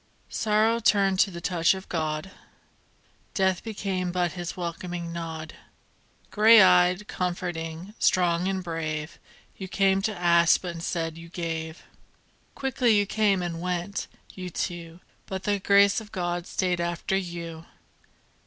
Sorrow turned to the touch of God, Death became but His welcoming nod. Grey eyed, comforting, strong and brave, You came to ask but instead you Quickly you came and went, you two, But the Grace of God stayed after you.